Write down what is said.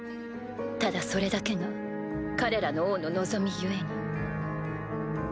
ただそれだけが彼らの王の望み故に。